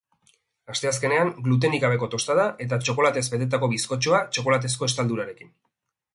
Asteazkenean, glutenik gabeko tostada eta txokolatez betetako bizkotxoa, txokolatezko estaldurarekin.